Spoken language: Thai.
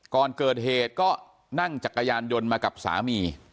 ก่อนเกิดเหตุก็นั่งจักรยานยนต์มากับสามี